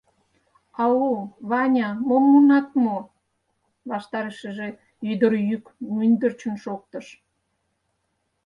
— Ау, Ваня, мом муынат мо? — ваштарешыже ӱдыр йӱк мӱндырчын шоктыш.